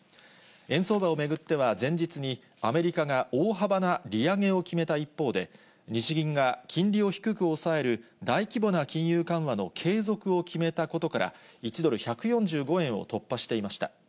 円相場を巡っては、前日にアメリカが大幅な利上げを決めた一方で、日銀が金利を低く抑える大規模な金融緩和の継続を決めたことから、１ドル１４５円を突破していました。